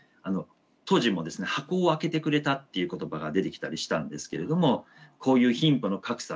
当時も「箱を開けてくれた」っていう言葉が出てきたりしたんですけれどもこういう貧富の格差